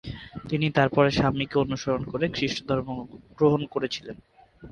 তিনি তারপরে স্বামীকে অনুসরণ করে খ্রিস্টধর্ম গ্রহণ করে ছিলেন।